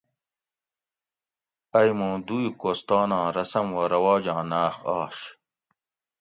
ائ مُوں دُوئ کوستان آں رسم و رواج آں ناۤخ آش